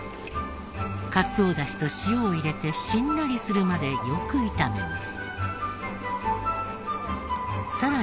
かつおダシと塩を入れてしんなりするまでよく炒めます。